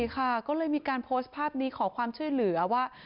ก็เลยมีการโพสต์ภาพนี้ขอความช่วยเหลือว่า